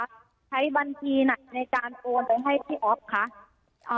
ใช้บัญชีไหนในการโอนไปให้พี่อ๊อฟคะ